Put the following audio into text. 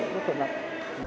cũng không đáng kể